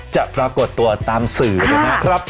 ปรากฏตัวตามสื่อนะครับ